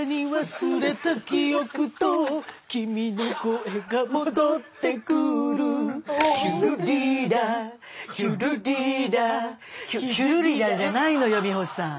「忘れた記憶と君の声が戻ってくる」「ヒュルリーラヒュルリーラ」ヒュルリラじゃないのよ美穂さん。